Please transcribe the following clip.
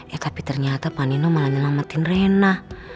ya tapi ternyata pak nino malah nyelamatin rena